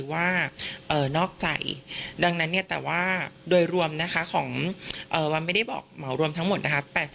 ว่านอกใจดังนั้นเนี่ยแต่ว่าโดยรวมนะคะของวันไม่ได้บอกเหมารวมทั้งหมดนะคะ